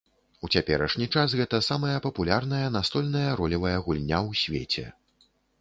У цяперашні час гэта самая папулярная настольная ролевая гульня ў свеце.